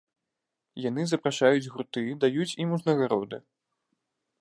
Яны запрашаюць гурты, даюць ім узнагароды.